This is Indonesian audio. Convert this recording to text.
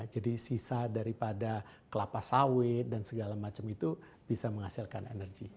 jadi sisa daripada kelapa sawit dan segala macam itu bisa menghasilkan energi